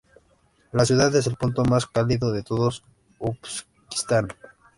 La ciudad es el punto más cálido de todo Uzbekistán.